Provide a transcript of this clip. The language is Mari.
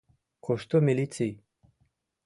Кушто милиций?..